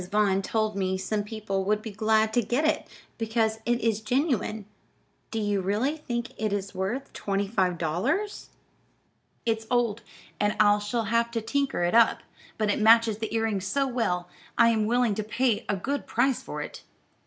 Vaughn told me some people would be glad to get it, because it is genuine. Do you really think it is worth twenty five dollars?" "It's old, and I shall have to tinker it up; but it matches the earrings so well I am willing to pay a good price for it.